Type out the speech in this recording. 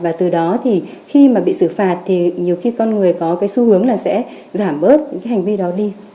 và từ đó thì khi mà bị xử phạt thì nhiều khi con người có cái xu hướng là sẽ giảm bớt những cái hành vi đó đi